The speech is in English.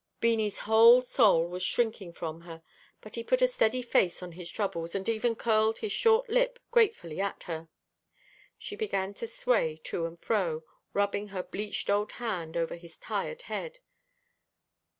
Beanie's whole soul was shrinking from her, but he put a steady face on his troubles, and even curled his short lip gratefully at her. She began to sway to and fro, rubbing her bleached old hand over his tired head.